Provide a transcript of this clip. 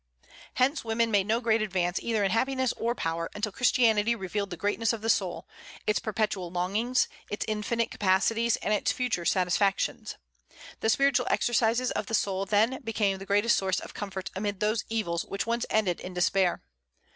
Hence, women made no great advance either in happiness or in power, until Christianity revealed the greatness of the soul, its perpetual longings, its infinite capacities, and its future satisfactions. The spiritual exercises of the soul then became the greatest source of comfort amid those evils which once ended in despair.